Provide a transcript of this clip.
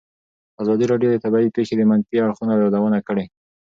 ازادي راډیو د طبیعي پېښې د منفي اړخونو یادونه کړې.